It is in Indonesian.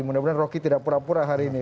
mudah mudahan roky tidak pura pura hari ini